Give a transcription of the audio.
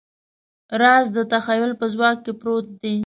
راز د تخیل په ځواک کې پروت دی.